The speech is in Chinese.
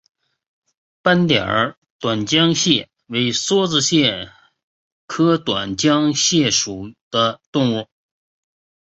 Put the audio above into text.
斑点短浆蟹为梭子蟹科短浆蟹属的动物。